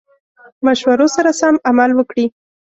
مشورو سره سم عمل وکړي.